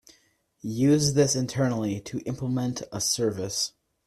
Use this internally to implement a service.